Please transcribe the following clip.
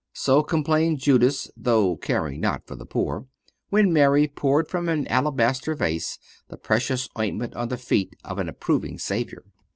So complained Judas (though caring not for the poor(432)) when Mary poured from an alabaster vase the precious ointment on the feet of an approving Savior.